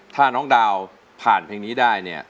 ถ้าน้องดาวผ่านเพลงนี้ได้